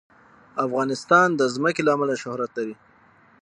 افغانستان د ځمکه له امله شهرت لري.